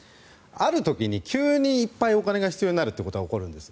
ある時に急にいっぱいお金が必要になることが起こるんです。